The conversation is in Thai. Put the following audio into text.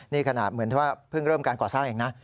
นี่ขนาดเหมือนถ้าเพิ่งเริ่มการก่อสร้างเองนะ